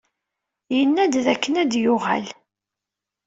Yenna-d dakken ad d-yuɣal.